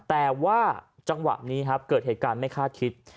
แต่ว่าจังหวะนี้ครับเกิดเหตุการณ์ไม่คาดคิด